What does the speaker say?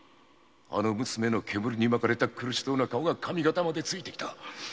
あの娘の煙に巻かれた苦しそうな顔が上方までついてきた